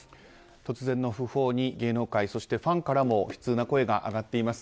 突然の訃報に芸能界そしてファンからも悲痛な声が上がっています。